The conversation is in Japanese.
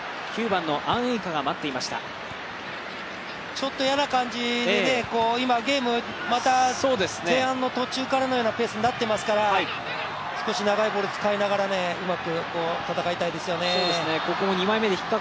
ちょっと嫌な感じでゲーム、また前半の途中からのようなペースになっていますから少し長いボール使いながらうまく戦いたいですよね。